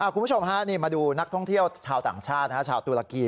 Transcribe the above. คุณผู้ชมฮะนี่มาดูนักท่องเที่ยวชาวต่างชาติชาวตุรกี